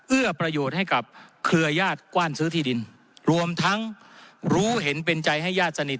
เอื้อประโยชน์ให้กับเครือญาติกว้านซื้อที่ดินรวมทั้งรู้เห็นเป็นใจให้ญาติสนิท